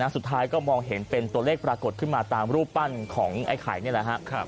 สุดท้ายก็มองเห็นเป็นตัวเลขปรากฏขึ้นมาตามรูปปั้นของไอ้ไข่นี่แหละครับ